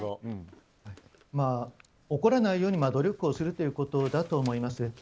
起こらないように努力をするということだと思います。